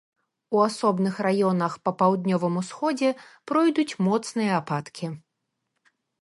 У асобных раёнах па паўднёвым усходзе пройдуць моцныя ападкі.